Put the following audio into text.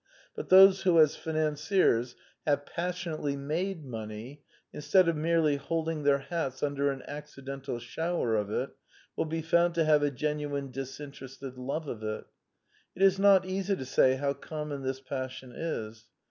But those who as financiers have passionately The Four Last Plays 1 6 1 " made " money instead of merely holding their hats under an accidental shower of it, will be found to have a genuine disinterested love of it. It is not easy to say how common this passion is.